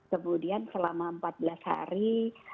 kemudian selama empat belas hari